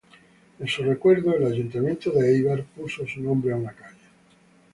En su recuerdo el ayuntamiento de Éibar puso su nombre a una calle.